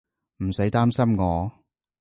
唔使擔心我